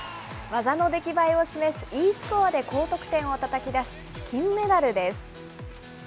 技の出来栄えを示すＥスコアで高得点をたたき出し、金メダルです。